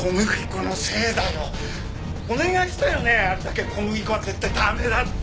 あれだけ小麦粉は絶対駄目だって。